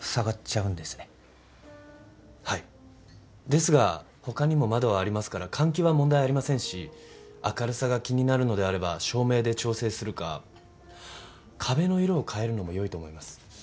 ですが他にも窓はありますから換気は問題ありませんし明るさが気になるのであれば照明で調整するかあっ壁の色を変えるのも良いと思います。